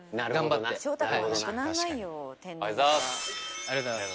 ありがとうございます。